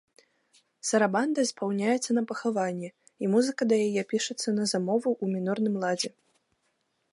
Сарабанда спаўняецца на пахаванні, і музыка да яе пішацца на замову ў мінорным ладзе.